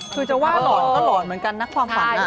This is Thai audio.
คือจะว่าหลอนก็หลอนเหมือนกันนะความฝัน